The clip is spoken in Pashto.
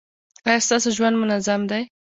ایا ستاسو ژوند منظم دی؟